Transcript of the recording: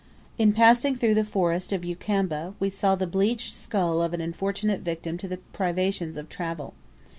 In passing through the forest of Ukamba, we saw the bleached skull of an unfortunate victim to the privations of travel.